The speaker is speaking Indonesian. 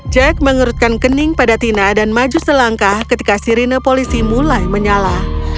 jack mengerutkan kening pada tina dan maju selangkah ketika sirine polisi mulai menyala